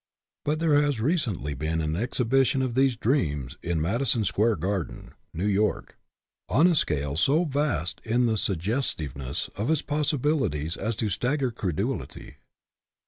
But there has recently been an exhibition of these " dreams " in Madison Square Garden, New York, on a scale so vast in the suggestiveness of its possibilities as to stagger credulity.